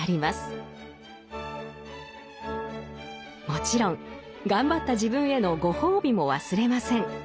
もちろん頑張った自分へのご褒美も忘れません。